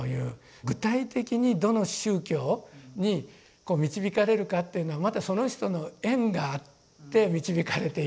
具体的にどの宗教に導かれるかっていうのはまたその人の縁があって導かれていく。